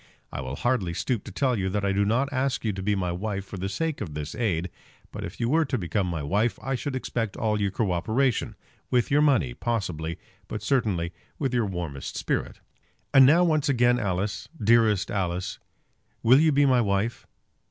I will hardly stoop to tell you that I do not ask you to be my wife for the sake of this aid; but if you were to become my wife I should expect all your cooperation; with your money, possibly, but certainly with your warmest spirit. And now, once again, Alice, dearest Alice, will you be my wife?